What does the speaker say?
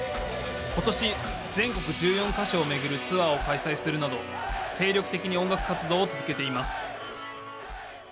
ことし、全国１４か所を巡るツアーを開催するなど、精力的に音楽活動を続けています。